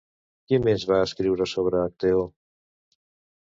Qui més va escriure sobre Acteó?